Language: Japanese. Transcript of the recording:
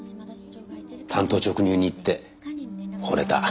単刀直入に言って惚れた。